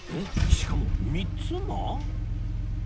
しかも３つも！？